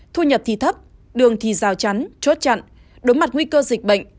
thu nhập thì thấp đường thì rào chắn chốt chặn đối mặt nguy cơ dịch bệnh